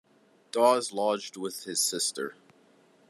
Dawes lodged with his sister.